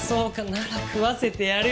なら食わせてやるよ。